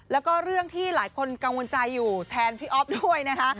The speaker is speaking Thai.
แล้วก็เรื่องที่หลายคนกังวลใจอยู่แทนพี่อ๊อฟด้วยนะคะ